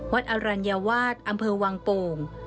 อรัญวาสอำเภอวังโป่ง